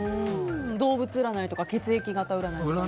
動物占いとか血液型占いとか。